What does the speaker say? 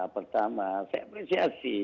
pertama saya apresiasi